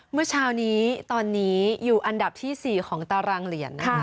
เมื่อเช้านี้ตอนนี้อยู่อันดับที่๔ของตารางเหรียญนะคะ